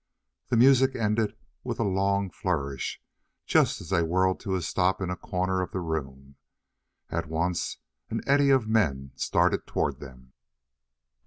The music ended with a long flourish just as they whirled to a stop in a corner of the room. At once an eddy of men started toward them.